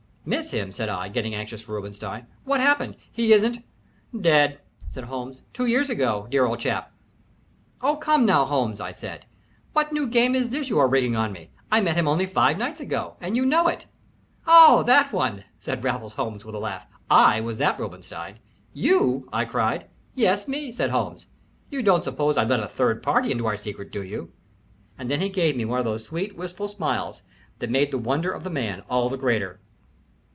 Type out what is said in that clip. "Miss him!" said I, getting anxious for Robinstein. "What happened? He isn't " "Dead," said Holmes. "Two years ago dear old chap." "Oh, come now, Holmes," I said. "What new game is this you are rigging on me? I met him only five nights ago and you know it." "Oh that one," said Raffles Holmes, with a laugh. "I was that Robinstein." "You?" I cried. "Yes, me," said Holmes. "You don't suppose I'd let a third party into our secret, do you?" And then he gave me one of those sweet, wistful smiles that made the wonder of the man all the greater.